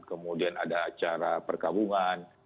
kemudian ada acara perkabungan